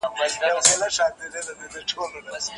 د ناروغ په تندي باندې سړې اوبه کېږدئ ترڅو تبه یې کمه شي.